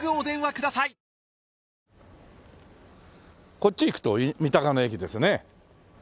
こっち行くと三鷹の駅ですね。